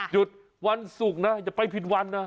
หยุดวันศุกร์นะอย่าไปผิดวันนะ